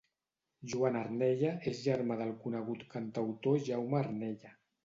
Joan Arnella és germà del conegut cantautor Jaume Arnella.